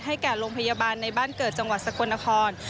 แก่โรงพยาบาลในบ้านเกิดจังหวัดสกลนคร